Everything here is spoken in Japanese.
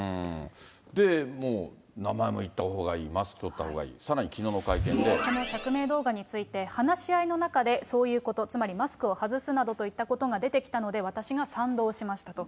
で、もう名前を言ったほうがいい、マスク取ったほうがいい、さらに、この釈明動画について、話し合いの中で、そういうこと、つまり、マスクを外すなどといったことが出てきたので、私が賛同しましたと。